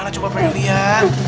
coba pengen lihat